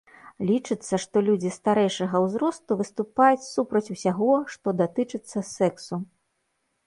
Лічыцца, што людзі старэйшага ўзросту выступаюць супраць усяго, што датычыцца сэксу.